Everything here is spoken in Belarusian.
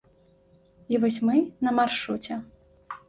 І вось мы на маршруце.